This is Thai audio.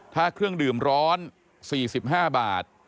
ถ้าเครื่องดื่มร้อน๔๕บาท